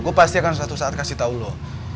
gue pasti akan suatu saat kasih tau lo